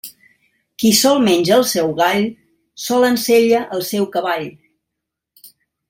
Qui sol menja el seu gall, sol ensella el seu cavall.